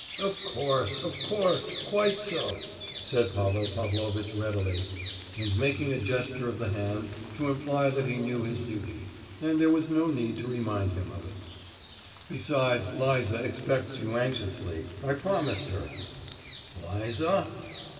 "Of course, of course; quite so!" said Pavel Pavlovitch readily, and making a gesture of the hand to imply that he knew his duty, and there was no need to remind him of it. "Besides Liza expects you anxiously—I promised her." "Liza?"